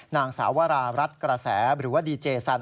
นางสาววรารัฐกระแสหรือว่าดีเจสัน